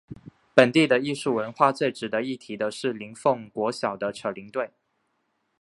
本地的艺术文化最值得一提的是林凤国小的扯铃队。